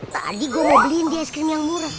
tadi gue mau beliin di es krim yang murah